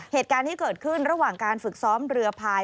เหตุการณ์ที่เกิดขึ้นระหว่างการฝึกซ้อมเรือพาย